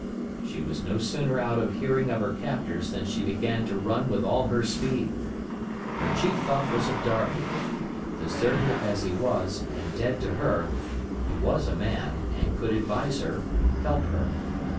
She was no sooner out of hearing of her captors than she began to run with all her speed. Her chief thought was of Darby. Deserter as he was, and dead to her, he was a man, and could advise her, help her.